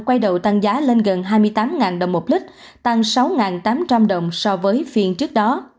quay đầu tăng giá lên gần hai mươi tám đồng một lít tăng sáu tám trăm linh đồng so với phiên trước đó